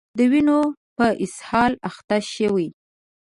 د وینو په اسهال اخته شوي